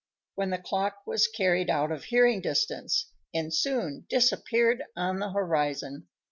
when the clock was carried out of hearing distance, and soon disappeared on the horizon.